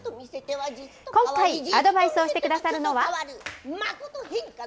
今回、アドバイスをしてくださるのは。